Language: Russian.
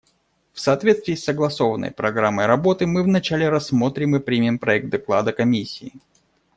В соответствии с согласованной программой работы мы вначале рассмотрим и примем проект доклада Комиссии.